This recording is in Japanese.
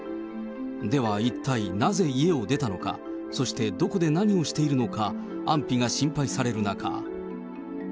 では一体、なぜ家を出たのか、そしてどこで何をしているのか、安否が心配される中。